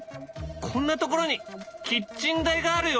こんなところにキッチン台があるよ！